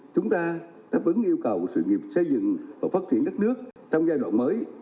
chúng ta đáp ứng yêu cầu của sự nghiệp xây dựng và phát triển đất nước trong giai đoạn mới